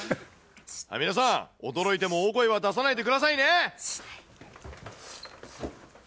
皆さん、驚いても大声は出さないでくださいね。